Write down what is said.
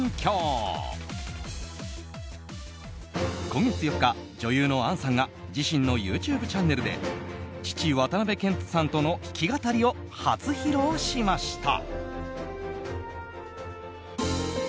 今月４日、女優の杏さんが自身のＹｏｕＴｕｂｅチャンネルで父・渡辺謙さんとの弾き語りを初披露しました。